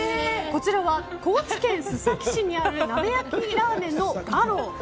こちらは高知県須崎市にある鍋焼きラーメンのがろ。